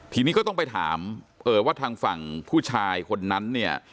ทีนี้ก็ต้องไปถามว่าทางฝั่งผู้ชายคนนั้นเนี่ย